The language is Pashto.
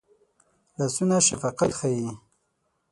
لاسونه شفقت ښيي